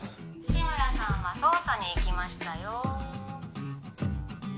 志村さんは捜査に行きましたよ